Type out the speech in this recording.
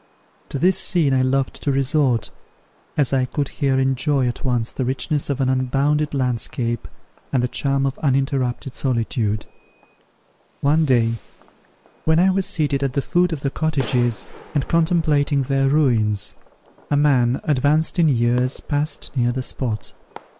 To this scene I loved to resort, as I could here enjoy at once the richness of an unbounded landscape, and the charm of uninterrupted solitude. One day, when I was seated at the foot of the cottages, and contemplating their ruins, a man, advanced in years, passed near the spot.